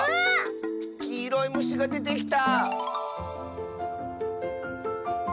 きいろいむしがでてきた！